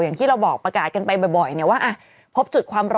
อย่างที่เราบอกประกาศกันไปบ่อยเนี่ยว่าอ่ะ